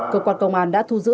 cơ quan công an đã thu giữ